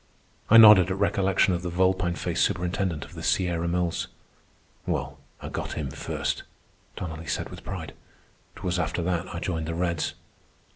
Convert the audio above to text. I nodded at recollection of the vulpine faced superintendent of the Sierra Mills. "Well, I got him first," Donnelly said with pride. "'Twas after that I joined the Reds."